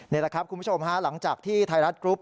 นี่แหละครับคุณผู้ชมฮะหลังจากที่ไทยรัฐกรุ๊ป